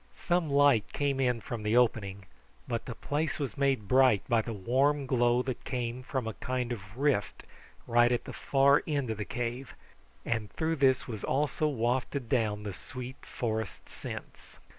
Some light came in from the opening; but the place was made bright by the warm glow that came from a kind of rift right at the far end of the cave, and through this was also wafted down the sweet forest scents.